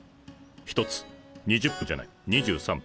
１つ２０分じゃない２３分。